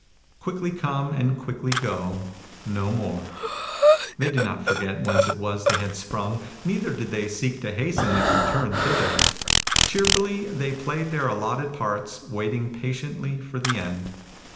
Quickly come and quickly go ;— ^no more. They did not forget whence it was they had sprung, neither did they seek to hasten their return thither. Cheerfully they played their allotted parts, waiting patiently for the end.